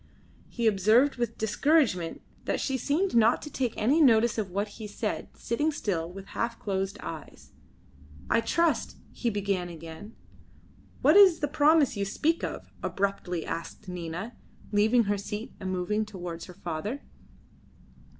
He observed with discouragement that she seemed not to take any notice of what he said sitting still with half closed eyes. "I trust " he began again. "What is the promise you speak of?" abruptly asked Nina, leaving her seat and moving towards her father.